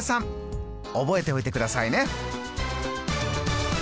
覚えておいてくださいね！